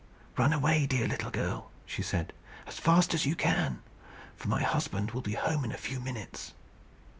"Run away, dear little girl," she said, "as fast as you can; for my husband will be home in a few minutes."